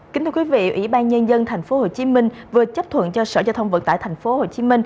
kính thưa quý vị ủy ban nhân dân tp hcm vừa chấp thuận cho sở giao thông vận tải tp hcm